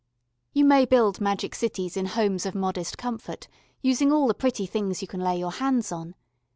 You may build magic cities in homes of modest comfort, using all the pretty things you can lay your hands on.